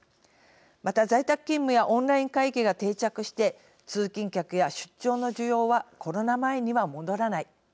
また在宅勤務やオンライン会議が定着して通勤客や出張の需要はコロナ前には戻らない。